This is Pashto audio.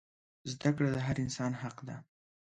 زده کړه د هر انسان حق دی.